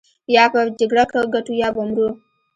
يا به جګړه ګټو يا به مرو.